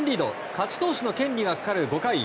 勝ち投手の権利がかかる５回。